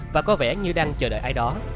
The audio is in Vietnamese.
và có vẻ như đang chờ đợi ai đó